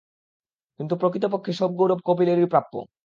কিন্তু প্রকৃতপক্ষে সব গৌরব কপিলেরই প্রাপ্য।